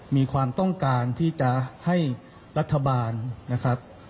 มีความต้องการที่จะให้รัฐบาลนะครับ